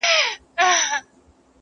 • نجات نه ښکاري د هيچا له پاره..